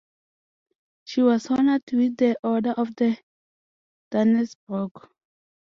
She was honoured with the Order of the Dannebrog.